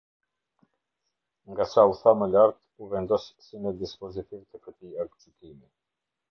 Nga sa u tha më lart, u vendosë si në dispozitiv të këtij Aktgjykimi.